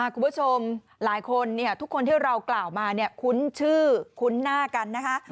คุณผู้ชมหลายคนทุกคนที่เรากล่าวมาเนี่ยคุ้นชื่อคุ้นหน้ากันนะคะ